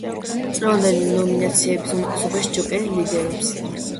წლევანდელი ნომინაციების უმეტესობაში „ჯოკერი“ ლიდერობს.